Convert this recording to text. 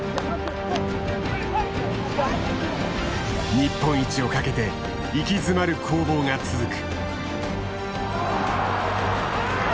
日本一を懸けて息詰まる攻防が続く。